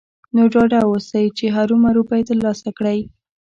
نو ډاډه اوسئ چې هرو مرو به يې ترلاسه کړئ.